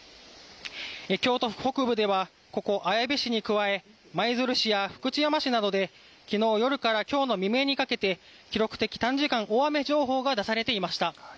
京都府北部ではここ綾部市に加えて舞鶴市や福知山市などで昨日夜から今日未明にかけて記録的短時間大雨情報が出されていました。